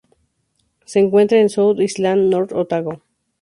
Se encuentra en South Island, North Otago.